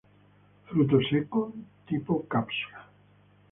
Fruto seco, tipo cápsula.